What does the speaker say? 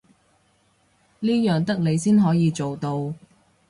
呢樣得你先可以做到